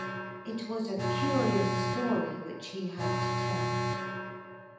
It was a curious story which he had to tell.